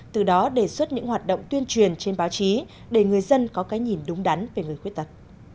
từ đó đề xuất những hoạt động tuyên truyền trên báo chí để người dân có cái nhìn đúng đắn về người khuyết tật